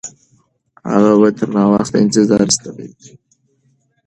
هغه به تر ناوخته انتظار ایستلی وي.